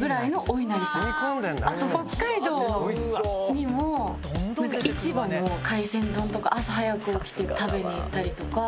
市場の海鮮丼とか朝早く起きて食べに行ったりとか。